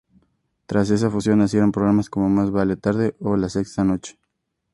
Tras esa fusión nacieron programas como Más Vale Tarde o laSexta Noche.